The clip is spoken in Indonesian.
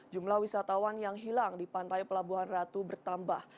jumlah wisatawan yang hilang di pantai pelabuhan ratu bertambah